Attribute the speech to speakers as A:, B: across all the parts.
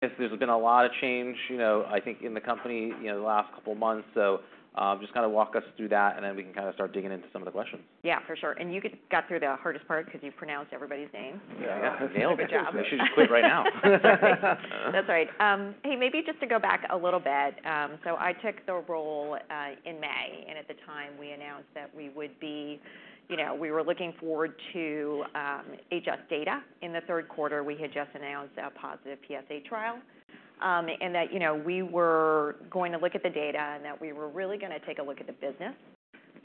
A: There's been a lot of change, you know, I think, in the company, you know, the last couple of months. Just kind of walk us through that, and then we can kind of start digging into some of the questions.
B: Yeah, for sure. Got through the hardest part because you pronounced everybody's name.
A: Yeah, nailed it.
B: Good job.
A: I should just quit right now.
B: That's right. Hey, maybe just to go back a little bit, so I took the role in May, and at the time, we announced that we would be, you know, we were looking forward to HS data. In the third quarter, we had just announced a positive PsA trial, and that, you know, we were going to look at the data and that we were really gonna take a look at the business,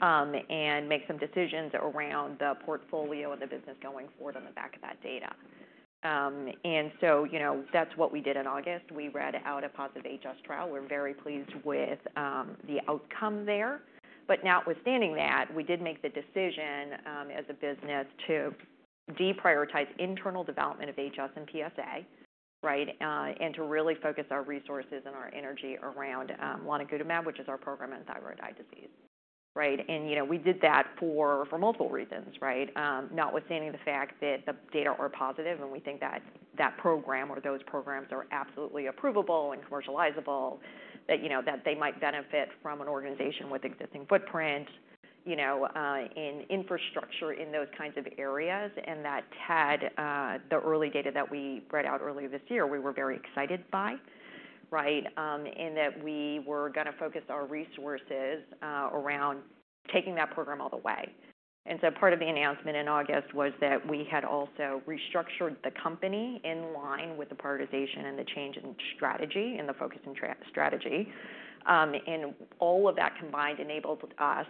B: and make some decisions around the portfolio of the business going forward on the back of that data. And so, you know, that's what we did in August. We read out a positive HS trial. We're very pleased with the outcome there. But notwithstanding that, we did make the decision as a business to deprioritize internal development of HS and PsA, right? And to really focus our resources and our energy around lonigutamab, which is our program in thyroid eye disease, right? You know, we did that for multiple reasons, right? Notwithstanding the fact that the data were positive, and we think that that program or those programs are absolutely approvable and commercializable, that you know, they might benefit from an organization with existing footprint, you know, in infrastructure, in those kinds of areas. And that TED, the early data that we read out earlier this year, we were very excited by, right? And that we were gonna focus our resources around taking that program all the way. And so part of the announcement in August was that we had also restructured the company in line with the prioritization and the change in strategy and the focus and strategy. And all of that combined enabled us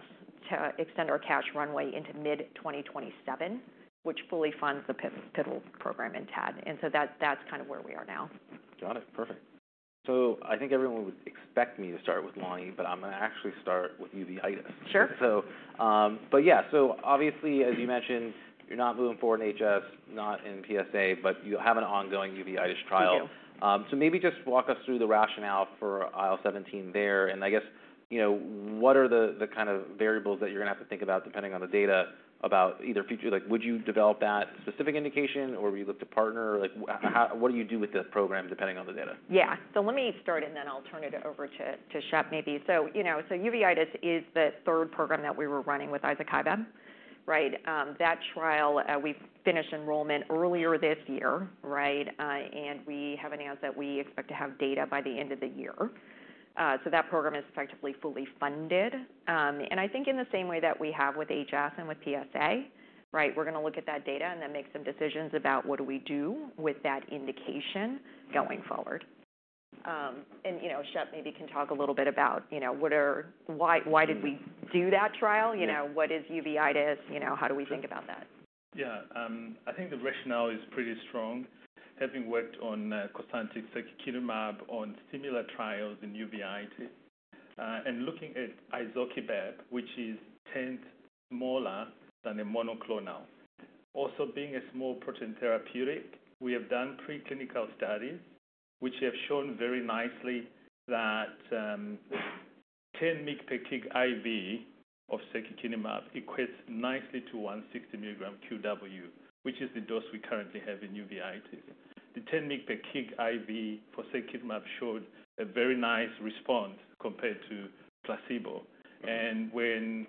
B: to extend our cash runway into mid-2027, which fully funds the pivotal program in TED. So that's kind of where we are now.
A: Got it. Perfect. So I think everyone would expect me to start with Lonni, but I'm gonna actually start with uveitis.
B: Sure.
A: Obviously, as you mentioned, you're not moving forward in HS, not in PsA, but you have an ongoing uveitis trial.
B: Thank you.
A: So maybe just walk us through the rationale for IL-17 there. And I guess, you know, what are the kind of variables that you're gonna have to think about, depending on the data, about either feature? Like, would you develop that specific indication, or would you look to partner? Like, what do you do with the program, depending on the data?
B: Yeah. So let me start, and then I'll turn it over to, to Shep, maybe. So, you know, so Uveitis is the third program that we were running with izokibep, right? That trial, we finished enrollment earlier this year, right? So that program is effectively fully funded. And I think in the same way that we have with HS and with PsA, right, we're gonna look at that data and then make some decisions about what do we do with that indication going forward. And, you know, Shep maybe can talk a little bit about, you know, what are Why, why did we do that trial?
A: Yeah.
B: You know, what is Uveitis? You know, how do we think about that?
C: Yeah. I think the rationale is pretty strong, having worked on Cosentyx secukinumab on similar trials in uveitis, and looking at izokibep, which is a tenth smaller than a monoclonal. Also, being a small protein therapeutic, we have done preclinical studies, which have shown very nicely that 10 mg per kg IV of secukinumab equates nicely to 160 milligram QW, which is the dose we currently have in uveitis. The 10 mg per kg IV for secukinumab showed a very nice response compared to placebo. And when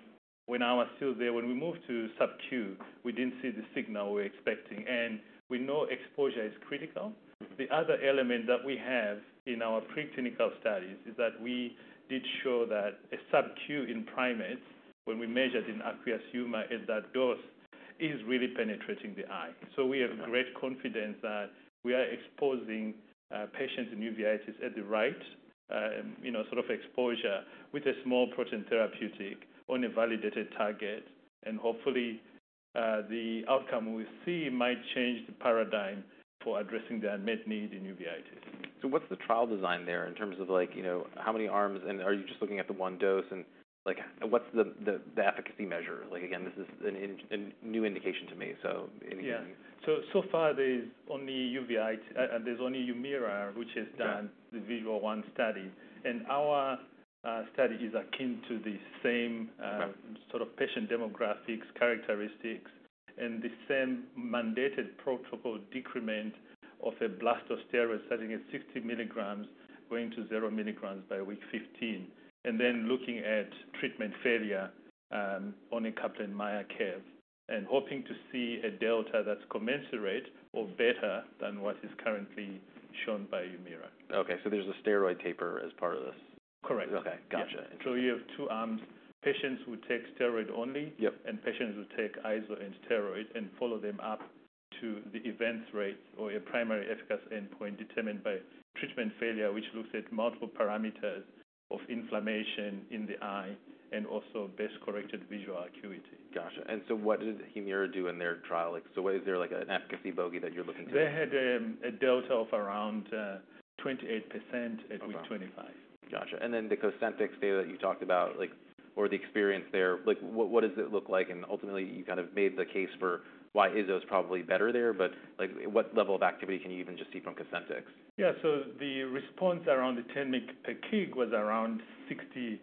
C: I was still there, when we moved to subQ, we didn't see the signal we were expecting, and we know exposure is critical.
A: Mm-hmm.
C: The other element that we have in our preclinical studies is that we did show that a subQ in primates, when we measured in aqueous humor at that dose, is really penetrating the eye.
A: Okay.
C: We have great confidence that we are exposing patients in uveitis at the right, you know, sort of exposure with a small protein therapeutic on a validated target. Hopefully, the outcome we see might change the paradigm for addressing the unmet need in uveitis.
A: So what's the trial design there in terms of like, you know, how many arms, and are you just looking at the one dose? And like, what's the efficacy measure? Like, again, this is a new indication to me, so anything-
C: Yeah. So, so far, there's only Uveitis There's only Humira, which has done-
A: Yeah
C: the VISUAL-1 study. Our study is akin to the same.
A: Okay
C: sort of patient demographics, characteristics, and the same mandated protocol decrement of a blast of steroids, starting at 60 milligrams, going to 0 milligrams by week 15, and then looking at treatment failure on a Kaplan-Meier curve and hoping to see a delta that's commensurate or better than what is currently shown by Humira.
A: Okay, so there's a steroid taper as part of this?
C: Correct.
A: Okay, gotcha.
C: Yeah.
A: Interesting.
C: So you have two arms, patients who take steroid only
A: Yep
C: and patients who take izokibep and steroids and follow them up to the event rate or a primary efficacy endpoint determined by treatment failure, which looks at multiple parameters of inflammation in the eye and also best-corrected visual acuity.
A: Gotcha. And so what did Humira do in their trial? So what, is there like an efficacy bogey that you're looking for?
C: They had a delta of around 28%-
A: Okay
C: at week twenty-five.
A: Gotcha. And then the Cosentyx data that you talked about, like, or the experience there, like, what, what does it look like? And ultimately, you kind of made the case for why izo is probably better there, but, like, what level of activity can you even just see from Cosentyx?
C: Yeah. So the response around the ten mg per kg was around 60%,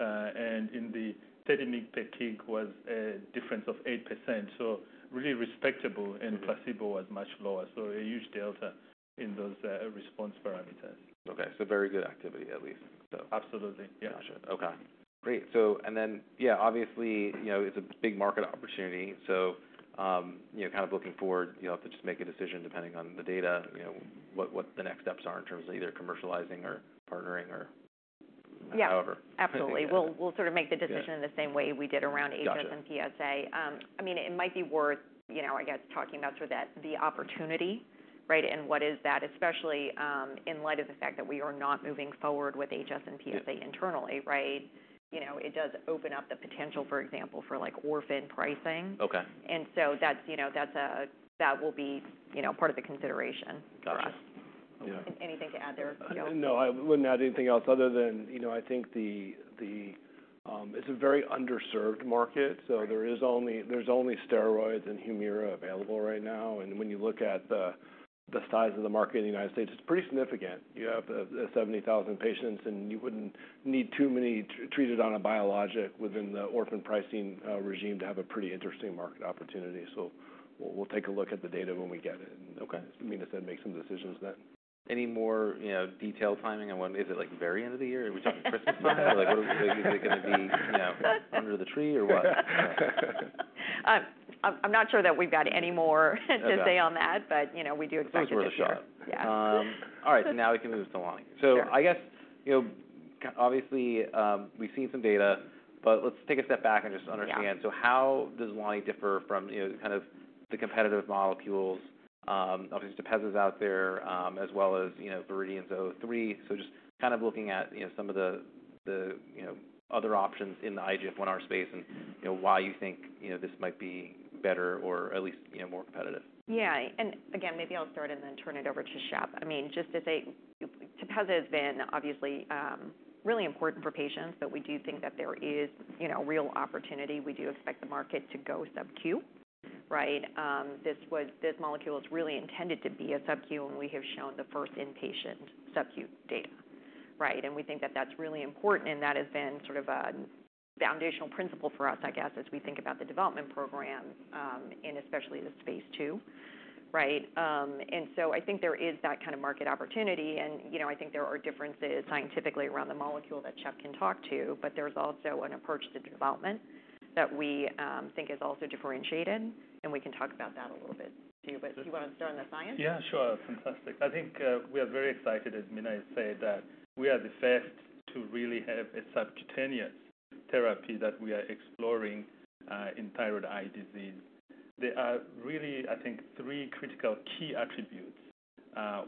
C: and in the thirty mg per kg was a difference of 8%. So really respectable, and placebo was much lower. So a huge delta in those response parameters.
A: Okay, so very good activity, at least.
C: Absolutely. Yeah.
A: Got you. Okay, great. So and then, yeah, obviously, you know, it's a big market opportunity. So, you know, kind of looking forward, you'll have to just make a decision depending on the data, you know, what the next steps are in terms of either commercializing or partnering or-
B: Yeah.
A: However.
B: Absolutely. We'll sort of make the decision-
A: Yeah
B: in the same way we did around HS and PsA.
A: Got you.
B: I mean, it might be worth, you know, I guess, talking about sort of that, the opportunity, right? And what is that, especially, in light of the fact that we are not moving forward with HS and PsA-
A: Yeah
B: Internally, right? You know, it does open up the potential, for example, for, like, orphan pricing.
A: Okay.
B: And so that's, you know, that will be, you know, part of the consideration for us.
A: Got you.
C: Yeah.
B: Anything to add there, Shep?
C: No, I wouldn't add anything else other than, you know, I think the it's a very underserved market.
B: Right.
C: There is only steroids and Humira available right now, and when you look at the size of the market in the United States, it's pretty significant. You have seventy thousand patients, and you wouldn't need too many treated on a biologic within the orphan pricing regime to have a pretty interesting market opportunity. We'll take a look at the data when we get it.
A: Okay.
C: Mina said, make some decisions then.
A: Any more, you know, detailed timing on when Is it, like, very end of the year? Are we talking Christmas time? Like, what is it gonna be, you know, under the tree or what?
B: I'm not sure that we've got any more-
A: Okay
B: to say on that, but, you know, we do expect it this year.
A: It's worth a shot.
B: Yeah.
A: All right, so now we can move to lonigutamab.
B: Sure.
A: So I guess, you know, obviously, we've seen some data, but let's take a step back and just understand.
B: Yeah.
A: So how does Lonnie differ from, you know, kind of the competitive molecules? Obviously Tepezza is out there, as well as, you know, VRDN-003. So just kind of looking at, you know, some of the, you know, other options in the IGF-1 space and, you know, why you think, you know, this might be better or at least, you know, more competitive.
B: Yeah, and again, maybe I'll start and then turn it over to Shab. I mean, just to say, Tepezza has been obviously really important for patients, but we do think that there is, you know, real opportunity. We do expect the market to go subQ, right? This molecule is really intended to be a subQ, and we have shown the first in-patient subQ data, right? And we think that that's really important, and that has been sort of a foundational principle for us, I guess, as we think about the development program, and especially the phase 2, right? I think there is that kind of market opportunity, and, you know, I think there are differences scientifically around the molecule that Shab can talk to, but there's also an approach to development that we think is also differentiated, and we can talk about that a little bit, too, but do you want to start on the science?
C: Yeah, sure. Fantastic. I think, we are very excited, as Mina said, that we are the first to really have a subcutaneous therapy that we are exploring, in thyroid eye disease. There are really, I think, three critical key attributes,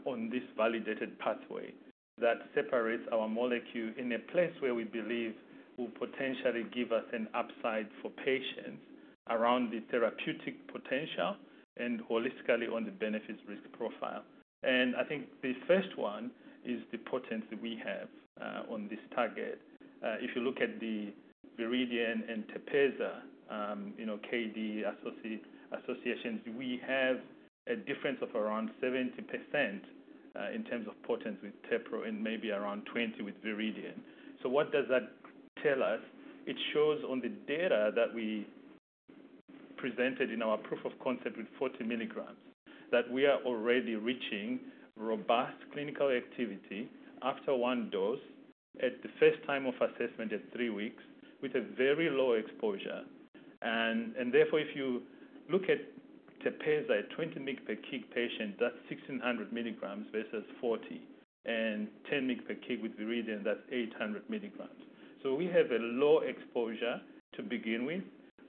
C: on this validated pathway that separates our molecule in a place where we believe will potentially give us an upside for patients around the therapeutic potential and holistically on the benefit-risk profile. And I think the first one is the potency we have, on this target. If you look at the Viridian and Tepezza, you know, KD associations, we have a difference of around 70%, in terms of potency with tepro and maybe around 20% with Viridian. So what does that tell us? It shows on the data that we presented in our proof of concept with forty milligrams, that we are already reaching robust clinical activity after one dose at the first time of assessment at three weeks with a very low exposure. And therefore, if you look at Tepezza at twenty mg per kg patient, that's sixteen hundred milligrams versus forty and ten mg per kg with Viridian, that's eight hundred milligrams. So we have a low exposure to begin with,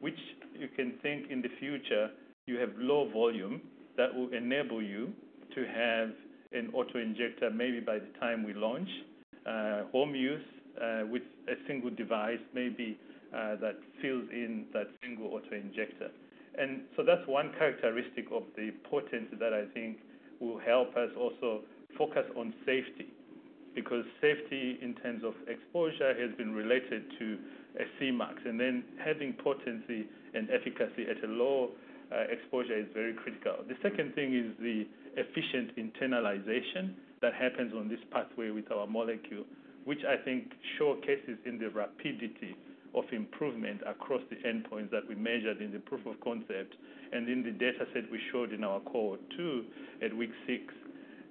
C: which you can think in the future, you have low volume that will enable you to have an auto-injector, maybe by the time we launch, home use, with a single device, maybe, that fills in that single auto-injector. And so that's one characteristic of the potency that I think will help us also focus on safety, because safety in terms of exposure has been related to a Cmax, and then having potency and efficacy at a low exposure is very critical. The second thing is the efficient internalization that happens on this pathway with our molecule, which I think showcases in the rapidity of improvement across the endpoints that we measured in the proof of concept and in the dataset we showed in our cohort two at week six.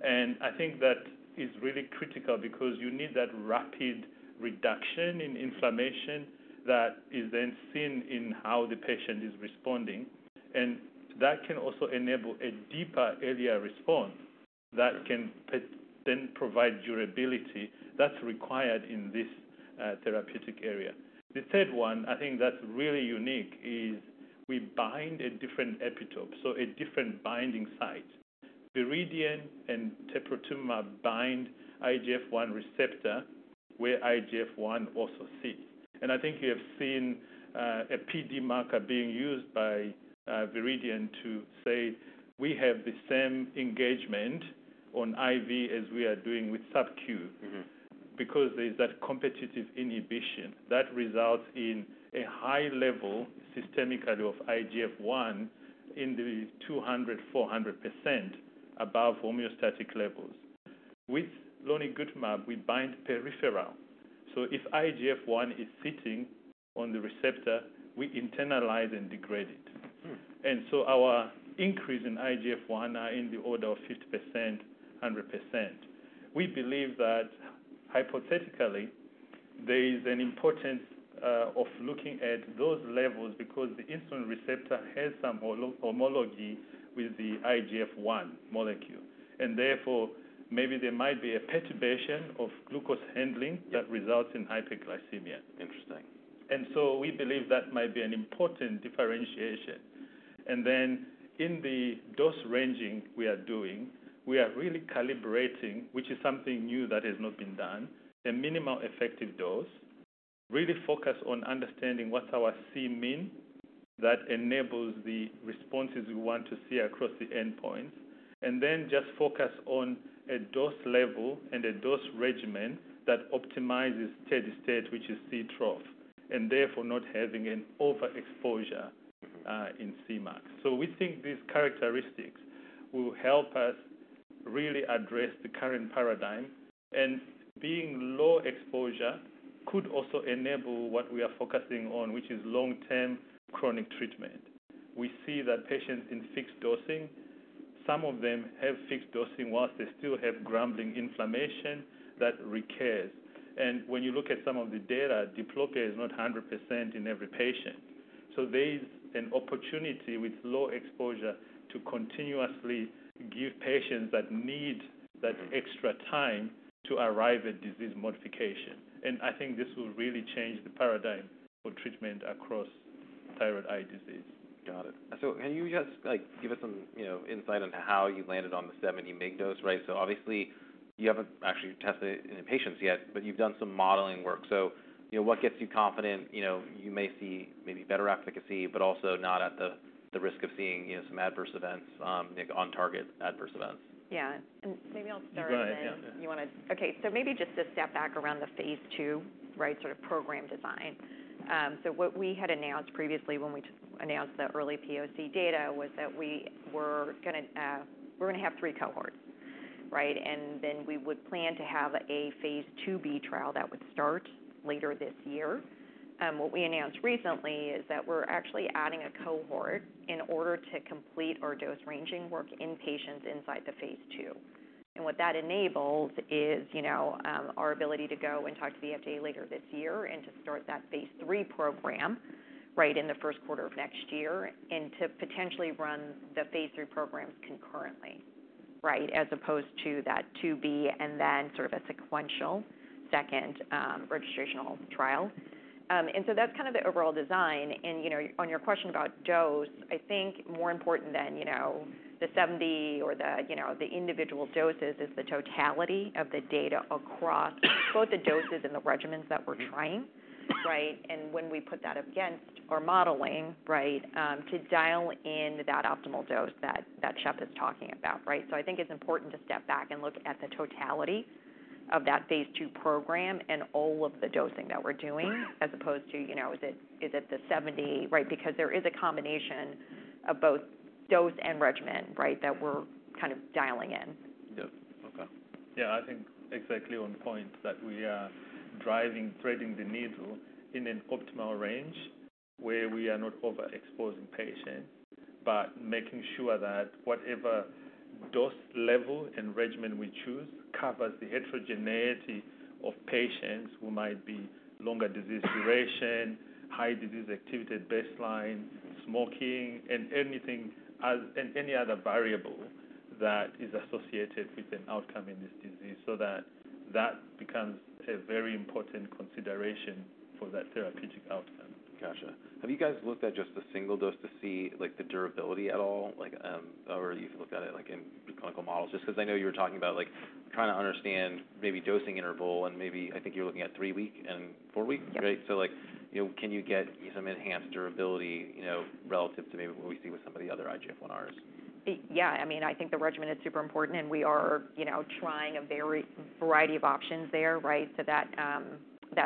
C: And I think that is really critical because you need that rapid reduction in inflammation that is then seen in how the patient is responding, and that can also enable a deeper, earlier response that can then provide durability that's required in this therapeutic area. The third one, I think that's really unique, is we bind a different epitope, so a different binding site. Viridian and teprotumumab bind IGF-I receptor, where IGF-I also sits. And I think you have seen, a PD marker being used by, Viridian to say: We have the same engagement on IV as we are doing with subQ.
A: Mm-hmm.
C: Because there's that competitive inhibition that results in a high level, systemically, of IGF-1 in the 200%-400% above homeostatic levels. With lonigutamab, we bind peripheral. So if IGF-1 is sitting on the receptor, we internalize and degrade it.
A: Mm.
C: And so our increase in IGF-1 are in the order of 50%, 100%. We believe that hypothetically, there is an importance of looking at those levels because the insulin receptor has some homology with the IGF-1 molecule, and therefore, maybe there might be a perturbation of glucose handling-
A: Yeah.
C: -that results in hyperglycemia.
A: Interesting.
C: And so we believe that might be an important differentiation. And then in the dose ranging we are doing, we are really calibrating, which is something new that has not been done, a minimal effective dose, really focus on understanding what our Cmean, that enables the responses we want to see across the endpoint, and then just focus on a dose level and a dose regimen that optimizes steady state, which is Ctrough, and therefore not having an overexposure in Cmax. So we think these characteristics will help us really address the current paradigm, and being low exposure could also enable what we are focusing on, which is long-term chronic treatment. We see that patients in fixed dosing, some of them have fixed dosing, while they still have grumbling inflammation that recurs. When you look at some of the data, diplopia is not 100% in every patient. There is an opportunity with low exposure to continuously give patients that need that extra time to arrive at disease modification. I think this will really change the paradigm for treatment across Thyroid Eye Disease.
A: Got it. So can you just, like, give us some, you know, insight on how you landed on the seventy mg dose, right? So obviously, you haven't actually tested it in patients yet, but you've done some modeling work. So, you know, what gets you confident, you know, you may see maybe better efficacy, but also not at the, the risk of seeing, you know, some adverse events, like on target adverse events?
B: Yeah. And maybe I'll start-
A: Go ahead, yeah.
B: Okay, so maybe just to step back around the phase two, right? Sort of program design. So what we had announced previously when we announced the early POC data was that we were going to, we're going to have three cohorts, right? And then we would plan to have a phase two B trial that would start later this year. What we announced recently is that we're actually adding a cohort in order to complete our dose ranging work in patients inside the phase two. And what that enables is, you know, our ability to go and talk to the FDA later this year and to start that phase three program, right, in the first quarter of next year, and to potentially run the phase three programs concurrently, right? As opposed to that two B, and then sort of a sequential second registrational trial. And so that's kind of the overall design. And, you know, on your question about dose, I think more important than, you know, the seventy or the, you know, the individual doses is the totality of the data across both the doses and the regimens that we're trying, right? And when we put that against our modeling, right, to dial in that optimal dose that Shep is talking about, right? So I think it's important to step back and look at the totality of that phase two program and all of the dosing that we're doing, as opposed to, you know, is it, is it the seventy, right? Because there is a combination of both dose and regimen, right, that we're kind of dialing in.
A: Yep. Okay.
C: Yeah, I think exactly on point that we are driving, threading the needle in an optimal range where we are not overexposing patients, but making sure that whatever dose level and regimen we choose covers the heterogeneity of patients who might be longer disease duration, high disease activity baseline, smoking, and anything and any other variable that is associated with an outcome in this disease, so that that becomes a very important consideration for that therapeutic outcome.
A: Got you. Have you guys looked at just the single dose to see, like, the durability at all? Like, or you've looked at it, like, in clinical models. Just because I know you were talking about, like, trying to understand maybe dosing interval and maybe I think you're looking at three-week and four-week, right?
B: Yep.
A: Like, you know, can you get some enhanced durability, you know, relative to maybe what we see with some of the other IGF-1's?
B: Yeah, I mean, I think the regimen is super important, and we are, you know, trying a wide variety of options there, right? So that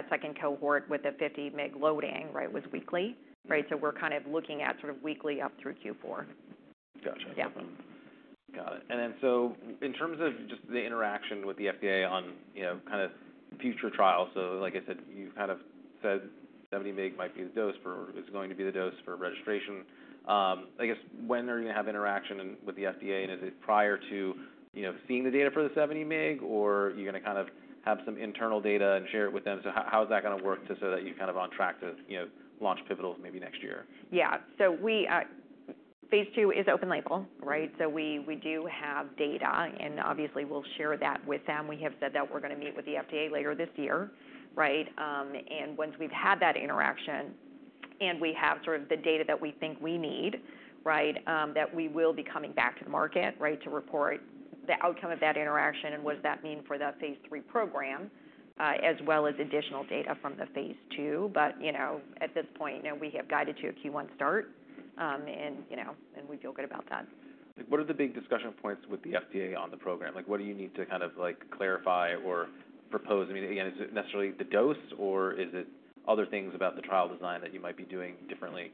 B: second cohort with a 50 mg loading, right, was weekly, right? So we're kind of looking at sort of weekly up through Q4.
A: Got you.
B: Yeah.
A: Got it. And then so in terms of just the interaction with the FDA on, you know, kind of future trials, so like I said, you kind of said seventy mg might be the dose for is going to be the dose for registration. I guess, when they're going to have interaction with the FDA, and is it prior to, you know, seeing the data for the seventy mg, or are you going to kind of have some internal data and share it with them? So how is that going to work just so that you're kind of on track to, you know, launch pivotals maybe next year?
B: Yeah. So we, phase two is open label, right? So we do have data, and obviously we'll share that with them. We have said that we're going to meet with the FDA later this year, right? And once we've had that interaction and we have sort of the data that we think we need, right, that we will be coming back to the market, right, to report the outcome of that interaction and what does that mean for the phase three program, as well as additional data from the phase two. But, you know, at this point, you know, we have guided to a Q1 start, and, you know, and we feel good about that.
A: What are the big discussion points with the FDA on the program? Like, what do you need to kind of, like, clarify or propose, I mean, again, is it necessarily the dose, or is it other things about the trial design that you might be doing differently?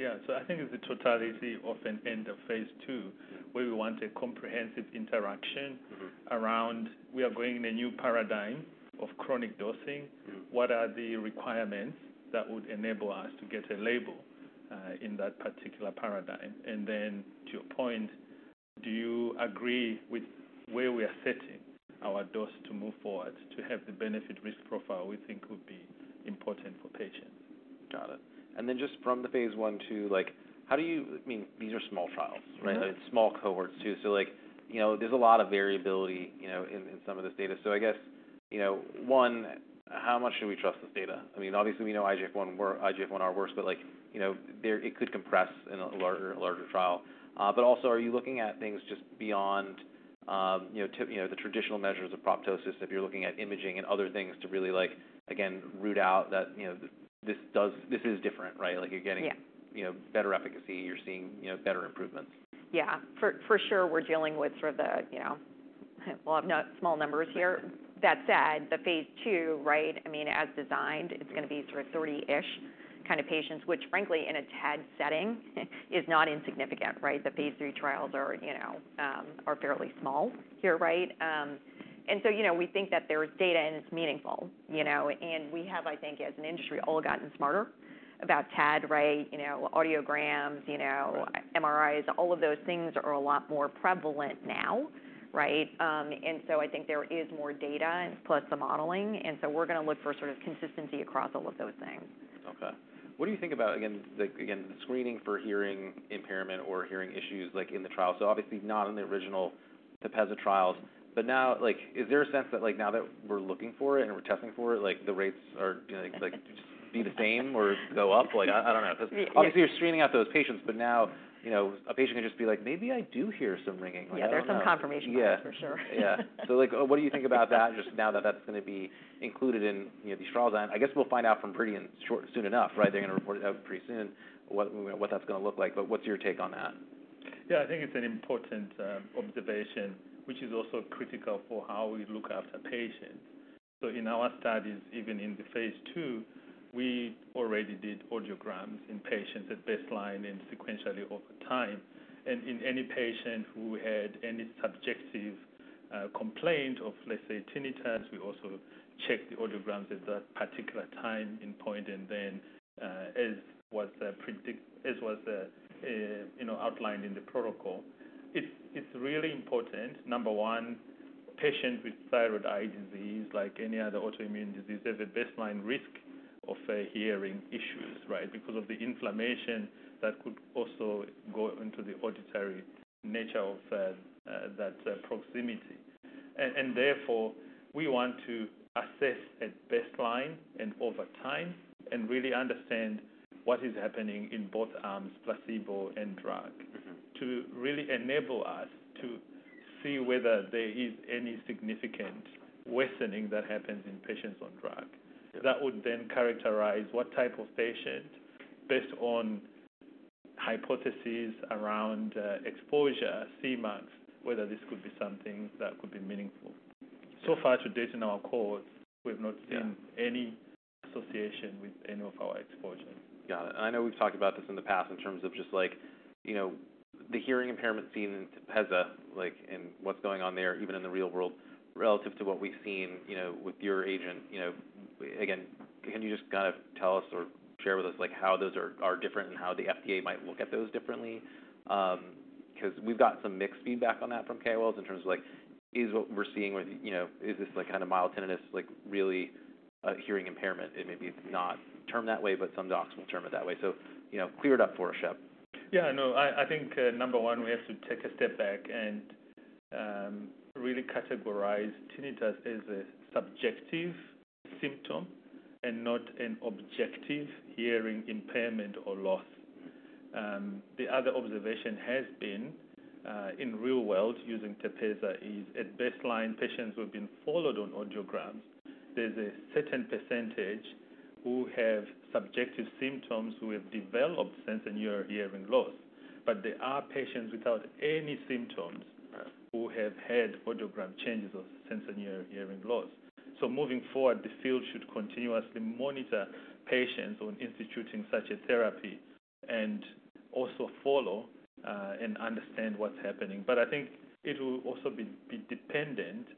C: Yeah. So I think it's the totality of an end of phase II, where we want a comprehensive interaction-
A: Mm-hmm.
C: Around we are going in a new paradigm of chronic dosing.
A: Mm-hmm.
C: What are the requirements that would enable us to get a label in that particular paradigm? And then to your point, do you agree with where we are setting our dose to move forward to have the benefit risk profile we think would be important for patients?
A: Got it, and then just from the phase I to like, how do you I mean, these are small trials, right?
C: Mm-hmm.
A: Small cohorts, too. So like, you know, there's a lot of variability, you know, in some of this data. So I guess, you know, one, how much should we trust this data? I mean, obviously, we know IGF-1, IGF-1R works, but like, you know, there-- it could compress in a larger trial. But also, are you looking at things just beyond, you know, the traditional measures of apoptosis, if you're looking at imaging and other things to really like, again, root out that, you know, this does This is different, right? Like, you're getting-
B: Yeah.
A: You know, better efficacy, you're seeing, you know, better improvements.
B: Yeah. For sure, we're dealing with sort of the, you know, well, not small numbers here. That said, the phase II, right, I mean, as designed, it's going to be sort of 30-ish kind of patients, which frankly, in a TED setting, is not insignificant, right? The phase III trials are, you know, fairly small here, right? And so, you know, we think that there is data and it's meaningful, you know. And we have, I think, as an industry, all gotten smarter about TED, right? You know, audiograms, you know-
A: Right
B: MRIs, all of those things are a lot more prevalent now, right? And so I think there is more data and plus the modeling, and so we're going to look for sort of consistency across all of those things.
A: Okay. What do you think about, again, the screening for hearing impairment or hearing issues like in the trial? So obviously not in the original Tepezza trials, but now, like, is there a sense that, like, now that we're looking for it and we're testing for it, like, the rates are, like, to be the same or go up? Like, I don't know.
B: Yeah.
A: Because obviously, you're screening out those patients, but now, you know, a patient can just be like: "Maybe I do hear some ringing.
B: Yeah, there's some confirmation-
A: Yeah
B: bias, for sure.
A: Yeah. So, like, what do you think about that, just now that that's going to be included in, you know, these trials? I guess we'll find out pretty soon enough, right? They're going to report it out pretty soon, what that's going to look like. But what's your take on that?
C: Yeah, I think it's an important observation, which is also critical for how we look after patients. So in our studies, even in the phase II, we already did audiograms in patients at baseline and sequentially over time. And in any patient who had any subjective complaint of, let's say, tinnitus, we also checked the audiograms at that particular time point, and then, as was you know outlined in the protocol. It's really important. Number one, patients with thyroid eye disease, like any other autoimmune disease, there's a baseline risk of hearing issues, right? Because of the inflammation that could also go into the auditory nature of that proximity. And therefore, we want to assess at baseline and over time and really understand what is happening in both arms, placebo and drug-
A: Mm-hmm
C: to really enable us to see whether there is any significant worsening that happens in patients on drug.
A: Yeah.
C: That would then characterize what type of patients, based on hypotheses around, exposure, Cmax, whether this could be something that could be meaningful.
A: Yeah.
C: So far to date, in our course, we've not seen-
A: Yeah
C: any association with any of our exposure.
A: Got it. I know we've talked about this in the past in terms of just like, you know, the hearing impairment seen in Tepezza, like, and what's going on there, even in the real world, relative to what we've seen, you know, with your agent. You know, again, can you just kind of tell us or share with us, like, how those are, are different and how the FDA might look at those differently? Because we've got some mixed feedback on that from KOLs in terms of, like, is what we're seeing with, you know, is this, like, kind of mild tinnitus, like, really a hearing impairment? It may be it's not termed that way, but some docs will term it that way. So, you know, clear it up for us, Shep.
C: Yeah, no, I think, number one, we have to take a step back and really categorize tinnitus as a subjective symptom and not an objective hearing impairment or loss. The other observation has been, in real world, using Tepezza, is at baseline, patients who have been followed on audiograms, there's a certain percentage who have subjective symptoms who have developed sensorineural hearing loss, but there are patients without any symptoms-
A: Right
C: who have had audiogram changes of sensorineural hearing loss. So moving forward, the field should continuously monitor patients on instituting such a therapy and also follow, and understand what's happening. But I think it will also be dependent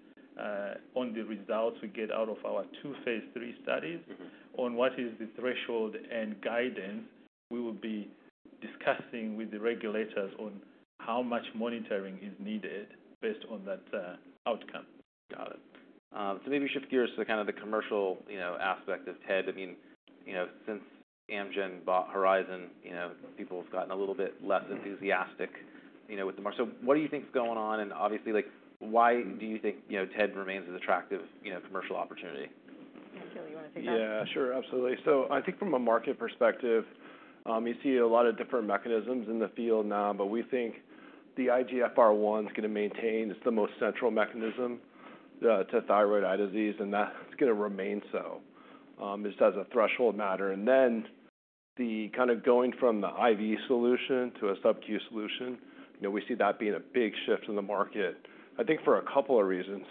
C: on the results we get out of our two phase III studies-
A: Mm-hmm
C: on what is the threshold and guidance we will be discussing with the regulators on how much monitoring is needed based on that, outcome.
A: Got it. So maybe we shift gears to kind of the commercial, you know, aspect of TED. I mean, you know, since Amgen bought Horizon, you know, people have gotten a little bit less enthusiastic-
C: Mm-hmm
A: you know, with the market. So what do you think is going on? And obviously, like, why do you think, you know, TED remains as attractive, you know, commercial opportunity?
B: Kelly, you want to take that?
D: Yeah, sure. Absolutely. So I think from a market perspective, you see a lot of different mechanisms in the field now, but we think the IGF-1R is going to maintain. It's the most central mechanism to thyroid eye disease, and that's going to remain so, just as a threshold matter. And then kind of going from the IV solution to a subQ solution, you know, we see that being a big shift in the market, I think, for a couple of reasons.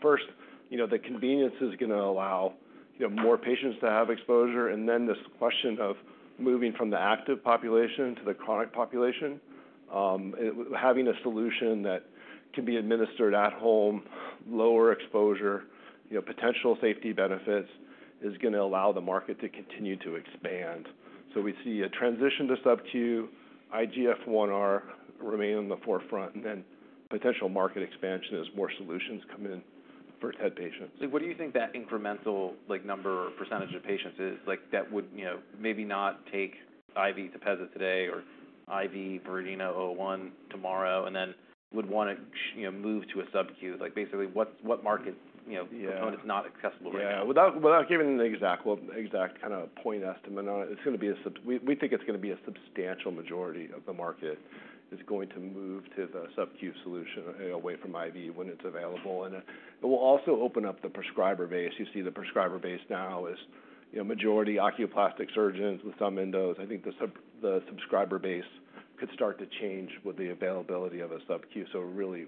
D: First, you know, the convenience is going to allow, you know, more patients to have exposure, and then this question of moving from the active population to the chronic population. It, having a solution that can be administered at home, lower exposure, you know, potential safety benefits, is going to allow the market to continue to expand. So we see a transition to subQ, IGF-1R remain in the forefront, and then potential market expansion as more solutions come in for TED patients.
A: So what do you think that incremental, like, number or percentage of patients is? Like, that would, you know, maybe not take IV Tepezza today or IV VRDN-001 tomorrow, and then would want to, you know, move to a subQ. Like, basically, what market, you know-
D: Yeah
A: - component is not accessible right now?
D: Yeah. Without giving the exact kind of point estimate on it, it's going to be a sub- we think it's going to be a substantial majority of the market is going to move to the subQ solution away from IV when it's available. And it will also open up the prescriber base. You see, the prescriber base now is, you know, majority oculoplastic surgeons with some endos. I think the sub- the prescriber base could start to change with the availability of a subQ, so really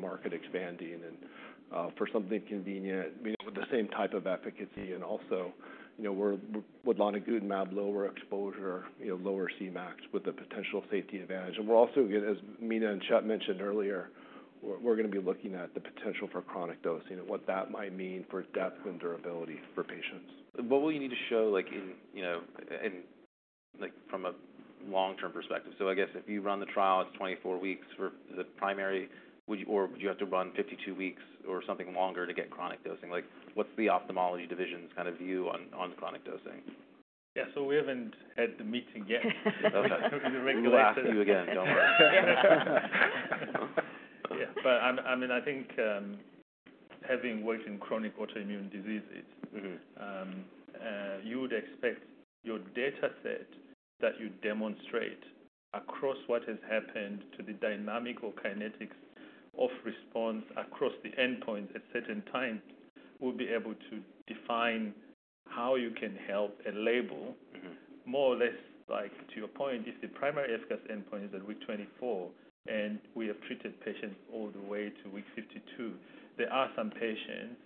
D: market expanding and for something convenient, you know, with the same type of efficacy and also, you know, with lonigutamab, lower exposure, you know, lower Cmax with the potential safety advantage. We're also, again, as Mina and Shep mentioned earlier, we're going to be looking at the potential for chronic dosing and what that might mean for depth and durability for patients.
A: What will you need to show, like, in, you know, in, like, from a long-term perspective? So I guess if you run the trial, it's twenty-four weeks for the primary, would you Or would you have to run fifty-two weeks or something longer to get chronic dosing? Like, what's the ophthalmology division's kind of view on chronic dosing?
C: Yeah, so we haven't had the meeting yet.
A: Okay.
C: The regulators.
A: We'll ask you again, don't worry.
C: Yeah. But, I mean, I think, having worked in chronic autoimmune diseases-
A: Mm-hmm
C: You would expect your dataset that you demonstrate across what has happened to the dynamic or kinetics of response across the endpoint at certain times will be able to define how you can help a label-
A: Mm-hmm
C: More or less, like, to your point, if the primary efficacy endpoint is at week twenty-four, and we have treated patients all the way to week fifty-two, there are some patients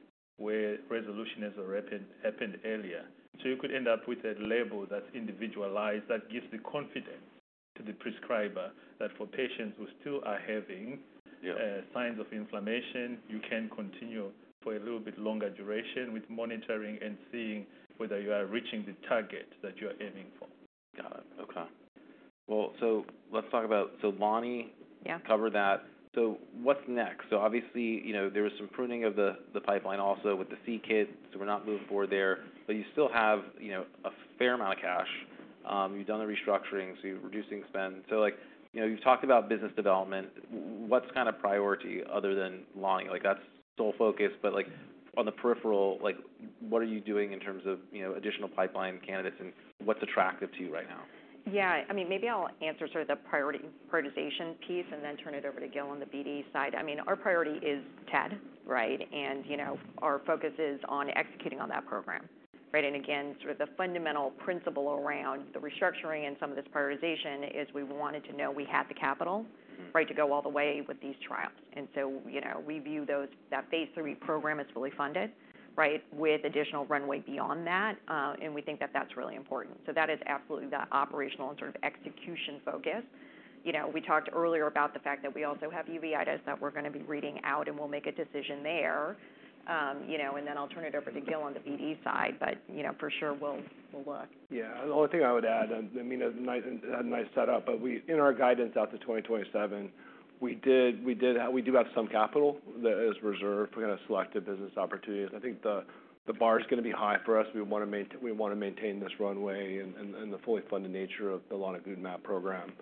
C: where resolution has already happened earlier. So you could end up with a label that's individualized, that gives the confidence to the prescriber that for patients who still are having-
A: Yeah
C: Signs of inflammation, you can continue for a little bit longer duration with monitoring and seeing whether you are reaching the target that you are aiming for.
A: Got it. Okay. Well, so let's talk about So lonigutamab-
B: Yeah.
A: - covered that. So what's next? So obviously, you know, there was some pruning of the pipeline also with the c-KIT, so we're not moving forward there. But you still have, you know, a fair amount of cash. You've done the restructuring, so you're reducing spend. So, like, you know, you've talked about business development. What's kind of priority other than Lonnie? Like, that's sole focus, but, like, on the peripheral, like, what are you doing in terms of, you know, additional pipeline candidates, and what's attractive to you right now?
B: Yeah, I mean, maybe I'll answer sort of the prioritization piece and then turn it over to Gil on the BD side. I mean, our priority is TED, right? And, you know, our focus is on executing on that program, right? And again, sort of the fundamental principle around the restructuring and some of this prioritization is we wanted to know we had the capital-
A: Mm-hmm
B: right, to go all the way with these trials. And so, you know, we view those, that phase III program is fully funded, right? With additional runway beyond that, and we think that that's really important. So that is absolutely the operational and sort of execution focus. You know, we talked earlier about the fact that we also have uveitis that we're going to be reading out, and we'll make a decision there. You know, and then I'll turn it over to Gil on the BD side, but, you know, for sure, we'll look.
D: Yeah. The only thing I would add, and Mina, nice, had a nice set up, but in our guidance out to 2027, we do have some capital that is reserved for kind of selective business opportunities. I think the bar is going to be high for us. We want to maintain this runway and the fully funded nature of the lonigutamab program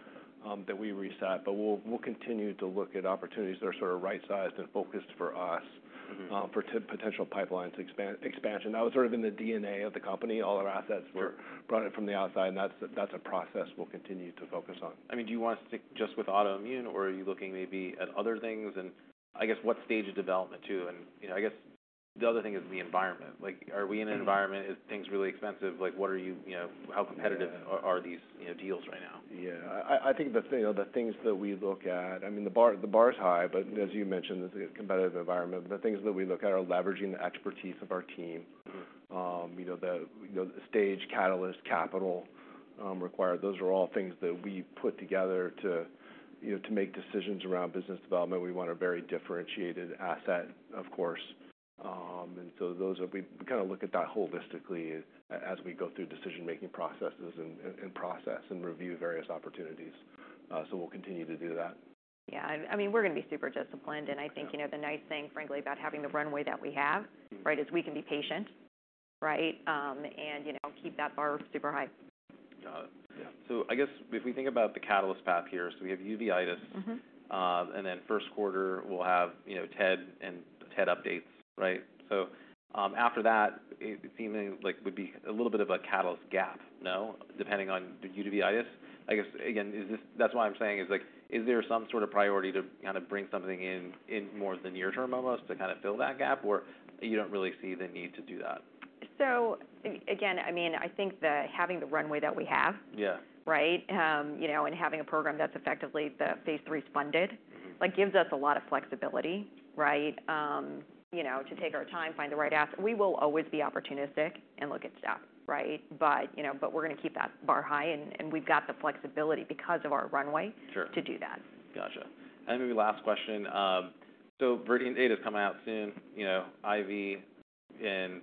D: that we reset. But we'll continue to look at opportunities that are sort of right-sized and focused for us.
A: Mm-hmm
D: for potential pipeline expansion. That was sort of in the DNA of the company. All our assets-
A: Sure
D: were brought in from the outside, and that's a process we'll continue to focus on.
A: I mean, do you want to stick just with autoimmune, or are you looking maybe at other things? And I guess what stage of development, too? And, you know, I guess the other thing is the environment. Like, are we in an environment-
D: Mm-hmm
A: is things really expensive? Like, what are you, you know-
D: Yeah…
A: how competitive are these, you know, deals right now?
D: Yeah. I think you know, the things that we look at. I mean, the bar is high, but as you mentioned, it's a competitive environment. The things that we look at are leveraging the expertise of our team.
A: Mm-hmm.
D: You know, you know, the stage, catalyst, capital required, those are all things that we put together to, you know, to make decisions around business development. We want a very differentiated asset, of course, and so those are we kind of look at that holistically as we go through decision-making processes and process and review various opportunities, so we'll continue to do that.
B: Yeah. I, I mean, we're going to be super disciplined.
D: Yeah.
B: And I think, you know, the nice thing, frankly, about having the runway that we have-
A: Mm-hmm
B: right, is we can be patient, right? And, you know, keep that bar super high.
A: Got it.
D: Yeah.
A: I guess if we think about the catalyst path here, so we have uveitis.
B: Mm-hmm.
A: And then first quarter, we'll have, you know, TED and TED updates, right? So, after that, it seemingly, like, would be a little bit of a catalyst gap, no? Depending on the uveitis. I guess, again, that's why I'm saying, like, is there some sort of priority to kind of bring something in, in more the near term, almost, to kind of fill that gap? Or you don't really see the need to do that?
B: So, again, I mean, I think that having the runway that we have-
A: Yeah.
B: right? You know, and having a program that's effectively the phase threes funded-
A: Mm-hmm.
B: like, gives us a lot of flexibility, right? You know, to take our time, find the right asset. We will always be opportunistic and look at stuff, right? But, you know, but we're going to keep that bar high, and we've got the flexibility because of our runway.
A: Sure.
B: - to do that.
A: Gotcha. And maybe last question. So VRDN-008 is coming out soon, you know, IV and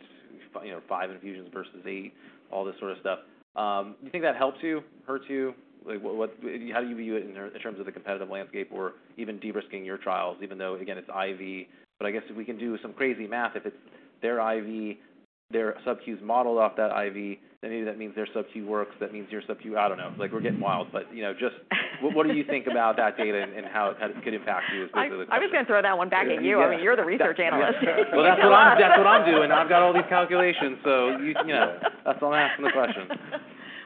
A: five infusions versus eight, all this sort of stuff. You think that helps you, hurts you? Like, what How do you view it in terms of the competitive landscape or even de-risking your trials, even though, again, it's IV? But I guess if we can do some crazy math, if it's their IV, their subQs modeled off that IV, then maybe that means their subQ works, that means your subQ, I don't know, like, we're getting wild. But, you know, just what do you think about that data and how it could impact you, is basically the question?
B: I was going to throw that one back at you. I mean, you're the research analyst.
A: That's what I'm doing. I've got all these calculations, so you You know, that's why I'm asking the questions.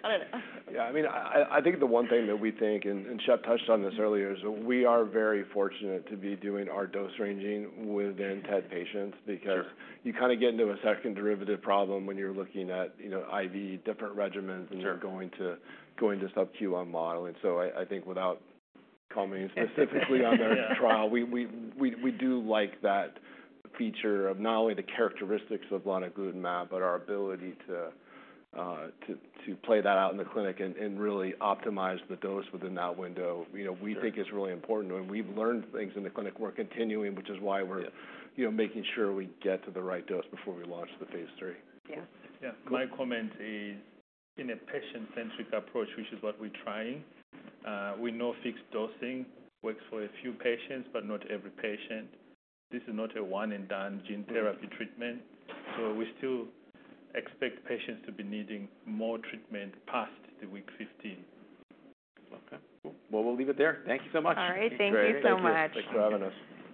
B: I don't know.
D: Yeah, I mean, I think the one thing that we think, and Shep touched on this earlier, is we are very fortunate to be doing our dose ranging within TED patients.
A: Sure.
D: Because you kind of get into a second derivative problem when you're looking at, you know, IV, different regimens-
A: Sure
D: and you're going to subQ on modeling. So I think without commenting specifically on their trial.
A: Yeah.
D: We do like that feature of not only the characteristics of lonigutamab, but our ability to play that out in the clinic and really optimize the dose within that window.
A: Sure.
D: You know, we think it's really important, and we've learned things in the clinic. We're continuing, which is why we're-
A: Yeah
D: - You know, making sure we get to the right dose before we launch the phase three.
B: Yeah.
C: Yeah. My comment is, in a patient-centric approach, which is what we're trying, we know fixed dosing works for a few patients, but not every patient. This is not a one-and-done gene therapy treatment, so we still expect patients to be needing more treatment past the week fifteen.
A: Okay. Well, we'll leave it there. Thank you so much.
B: All right. Thank you so much.
D: Thanks for having us.